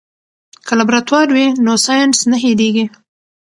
که لابراتوار وي نو ساینس نه هېریږي.